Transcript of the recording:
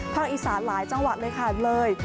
อีสานหลายจังหวัดเลยค่ะเลย